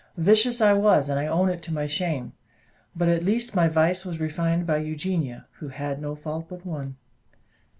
Vicious I was, and I own it to my shame; but at least my vice was refined by Eugenia, who had no fault but one.